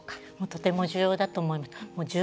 とても重要だと思うんです。